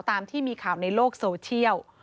ตามที่มีข่าวในโลกโซเชียล